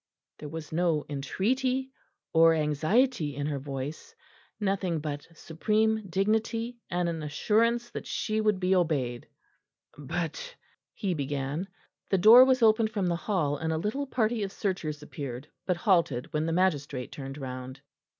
There was no entreaty or anxiety in her voice; nothing but a supreme dignity and an assurance that she would be obeyed. "But " he began. The door was opened from the hall, and a little party of searchers appeared, but halted when the magistrate turned round.